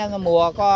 nó mua có